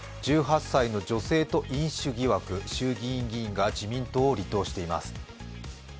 １８歳の女性と飲酒疑惑、衆議院議員が自民党を離党しています。